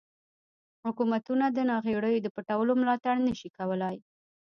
حکومتونه د ناغیړیو د پټولو ملاتړ نشي کولای.